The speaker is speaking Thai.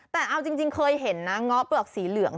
แต่เอาจริงเคยเห็นนะเงาะเปลือกสีเหลือง